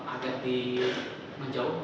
agak di menjauh